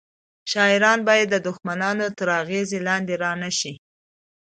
شاعران باید د دښمنانو تر اغیز لاندې رانه شي